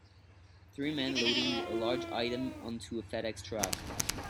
Three men loading a large item onto a fedEx truck